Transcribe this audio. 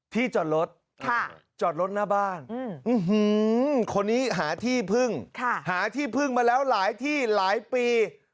ที่จอดรถจอดรถหน้าบ้านคนนี้หาที่พึ่งหาที่พึ่งมาแล้วหลายที่หลายปี